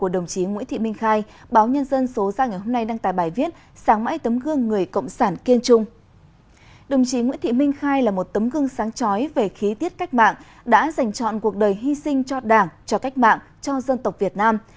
đồng chí nguyễn thị minh khai là một tấm gương sáng trói về khí tiết cách mạng đã dành chọn cuộc đời hy sinh cho đảng cho cách mạng cho dân tộc việt nam